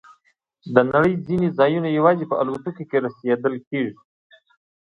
د نړۍ ځینې ځایونه یوازې په الوتکو کې رسیدل کېږي.